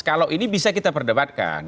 kalau ini bisa kita perdebatkan